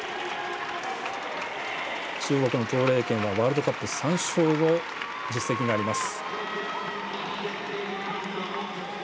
中国のとう麗娟はワールドカップ３勝の実績があります。